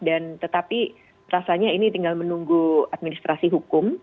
dan tetapi rasanya ini tinggal menunggu administrasi hukum